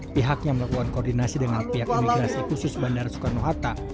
pihaknya melakukan koordinasi dengan pihak imigrasi khusus bandara soekarno hatta